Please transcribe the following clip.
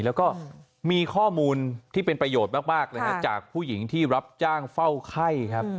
แล้วก็มีข้อมูลที่เป็นประโยชน์มากนะฮะจากผู้หญิงที่รับจ้างเฝ้าไข้ครับ